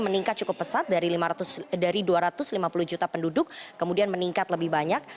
meningkat cukup pesat dari dua ratus lima puluh juta penduduk kemudian meningkat lebih banyak